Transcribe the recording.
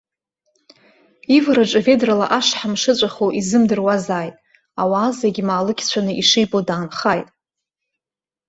Ивараҿы, ведрала ашҳам шыҵәаху изымдыруазааит, ауаа зегь маалықьцәаны ишибо даанхааит.